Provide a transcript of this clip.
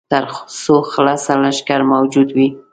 تر څو خلصه لښکر موجود وي.